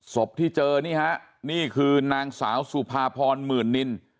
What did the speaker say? ศพที่เจอนี่ฮะนี่คือนางสาวสุภาพรหมื่นนิน